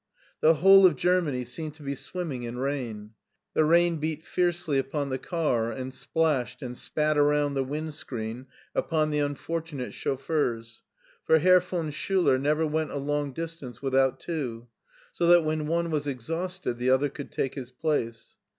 The whole of Germany seemed to be swimming in rain. The rain beat fiercely upon the car and splashed and spat around the wind screen upon the unfortunate chauffeurs, for Herr von Schuler never went a long distance without two, so that when one was exhausted the other could take his place.